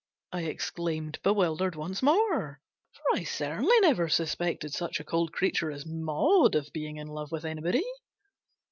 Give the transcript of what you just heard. " I exclaimed, bewildered once more; for I certainly never suspected such a cold creature as Maud of being in love with anybody.